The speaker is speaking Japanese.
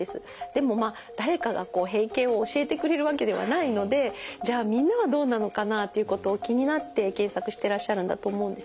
でもまあ誰かがこう閉経を教えてくれるわけではないのでじゃあみんなはどうなのかなっていうことを気になって検索してらっしゃるんだと思うんですよね。